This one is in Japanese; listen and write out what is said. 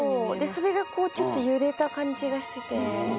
それがこうちょっと揺れた感じがして。